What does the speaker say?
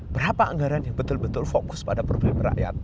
berapa anggaran yang betul betul fokus pada perbeli perakyat